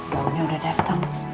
gaunnya udah dateng